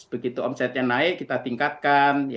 begitu omsetnya naik kita tingkatkan